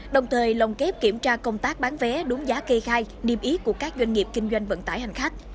đồng thời lồng kép kiểm tra công tác bán vé đúng giá kê khai điểm ý của các doanh nghiệp kinh doanh vận tải hành khách